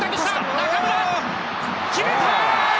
中村、決めた！